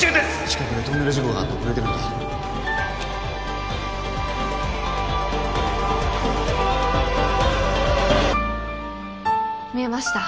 近くでトンネル事故があって遅れてるんだ見えました。